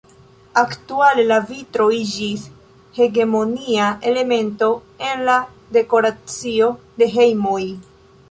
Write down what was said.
Aktuale, la vitro iĝis hegemonia elemento en la dekoracio de hejmoj.